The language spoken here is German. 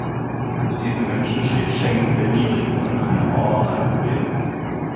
Für diese Menschen steht Schengen für Erniedrigungen, eine Mauer und ein Problem.